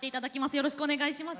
よろしくお願いします。